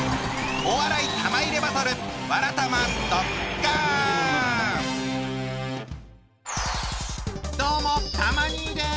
お笑い玉入れバトルどうもたま兄です。